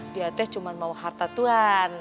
biasanya cuma mau harta tuhan